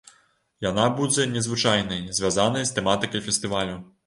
Яна будзе незвычайнай, звязанай з тэматыкай фестывалю.